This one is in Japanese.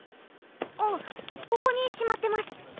あっここにしまってます。